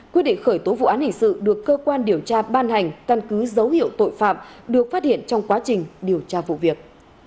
quyết định khởi tố vụ án hình sự được cơ quan điều tra ban hành căn cứ dấu hiệu tội phạm được phát hiện trong quá trình điều tra vụ việc